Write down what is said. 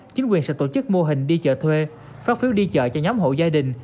chính quyền sẽ tổ chức mô hình đi chợ thuê phát phiếu đi chợ cho nhóm hộ gia đình